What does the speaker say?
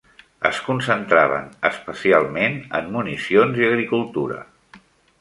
Es concentraven especialment en municions i agricultura.